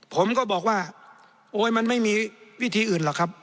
ผมก็บอกว่าโอ๊ยมันไม่มีวิธีอื่นหรอกครับ